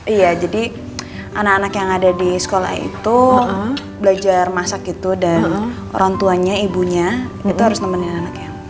iya jadi anak anak yang ada di sekolah itu belajar masak gitu dan orang tuanya ibunya itu harus nemenin anaknya